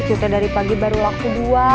kita dari pagi baru waktu dua